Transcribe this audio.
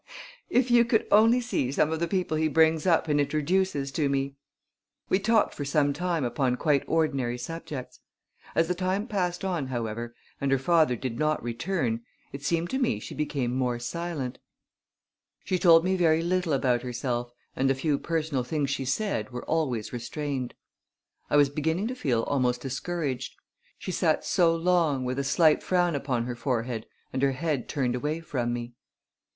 "If you could only see some of the people he brings up and introduces to me!" We talked for some time upon quite ordinary subjects. As the time passed on, however, and her father did not return, it seemed to me she became more silent. She told me very little about herself and the few personal things she said were always restrained. I was beginning to feel almost discouraged; she sat so long with a slight frown upon her forehead and her head turned away from me.